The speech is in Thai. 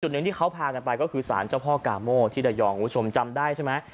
หนึ่งที่เขาพากันไปก็คือสารเจ้าพ่อกาโมที่ระยองคุณผู้ชมจำได้ใช่ไหม